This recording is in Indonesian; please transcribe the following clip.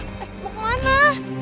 eh mau ke mana